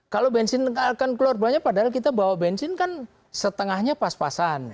kalau bensin akan keluar banyak padahal kita bawa bensin kan setengahnya pas pasan